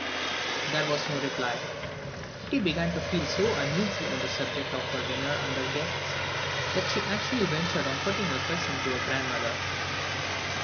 There was no reply. Kitty began to feel so uneasy on the subject of her dinner and her guests, that she actually ventured on putting a question to her grandmother.